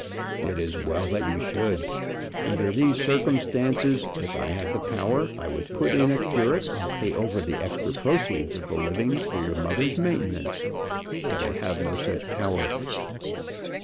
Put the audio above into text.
"It is well that you should. Under these circumstances, if I had the power, I would put in a curate, and pay over the extra proceeds of the living for your mother's maintenance. But I have no such power."